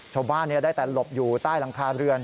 ชาวบ้านได้แต่หลบอยู่ใต้หลังคาเรือน